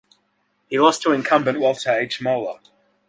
He lost to incumbent Walter H. Moeller.